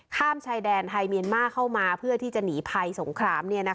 ข้ามชายแดนไทยเมียนมาร์เข้ามาเพื่อที่จะหนีภัยสงคราม